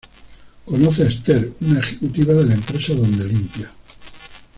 Conoce a Esther, una ejecutiva de la empresa donde limpia.